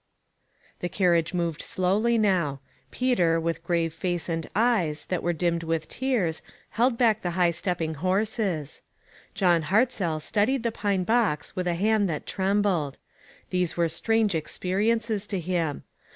The carriage moved slowly now. Peter, with grave face and eyes, that were dimmed with tears, held back the high stepping horses. John Hartzell steadied the pine box 284 ONE COMMONPLACE DAY. with a hand that trembled ; these were strange experiences for him.